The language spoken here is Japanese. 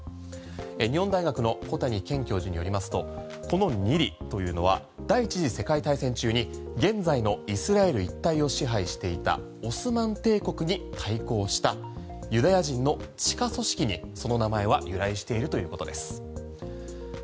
日本大学の小谷賢教授によりますとこのミリというのは第１次世界大戦中に現在のイスラエル一帯を支配していたオスマン帝国に対抗したユダヤ人の地下組織にその名前は由来しているということです。